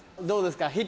どうですか？